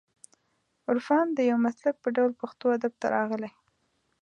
عرفان د یو مسلک په ډول پښتو ادب ته راغلی